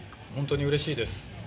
本当にうれしいです。